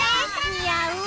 にあう？